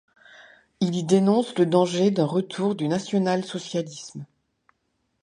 Il y dénonce le danger d'un retour du national-socialisme.